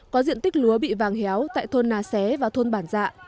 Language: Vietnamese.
có diện tích lúa bị vàng héo tại thôn nà xé và thôn bản dạ